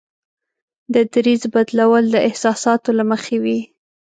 د دریځ بدلول د احساساتو له مخې وي.